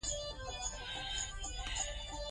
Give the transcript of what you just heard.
که خوله زیاته شي، باید ډاکټر ته ورشو.